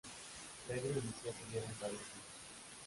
Pedro y Lucía tuvieron varios hijos.